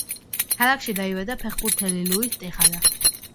ქალაქში დაიბადა ფეხბურთელი ლუის ტეხადა.